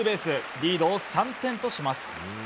リードを３点とします。